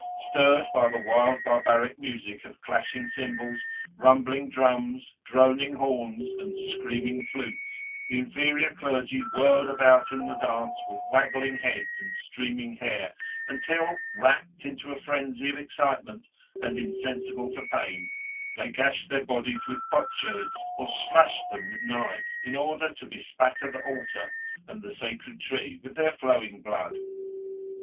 Stirred by the wild barbaric music of clashing cymbals, rumbling drums, droning horns, and screaming flutes, the inferior clergy whirled about in the dance with waggling heads and streaming hair, until, rapt into a frenzy of excitement and insensible to pain, they gashed their bodies with potsherds or slashed them with knives in order to bespatter the altar and the sacred tree with their flowing blood.